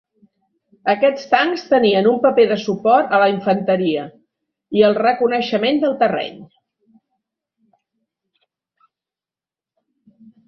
Aquests tancs tenien un paper de suport a la infanteria i el reconeixement del terreny.